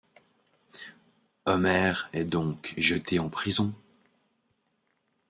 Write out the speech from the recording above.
Homer est donc jeté en prison...